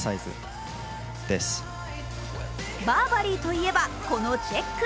バーバリーといえば、このチェック。